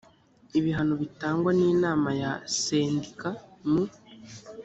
ibihano bitangwa n inama ya sendika mu